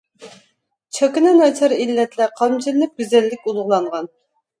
چاكىنا ناچار ئىللەتلەر قامچىلىنىپ گۈزەللىك ئۇلۇغلانغان.